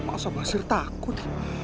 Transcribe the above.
masa basir takut